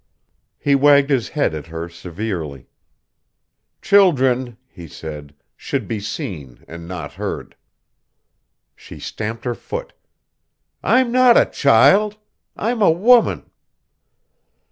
He wagged his head at her severely. "Children," he said, "should be seen and not heard." She stamped her foot. "I'm not a child. I'm a woman."